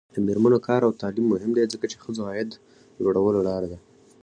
د میرمنو کار او تعلیم مهم دی ځکه چې ښځو عاید لوړولو لاره ده.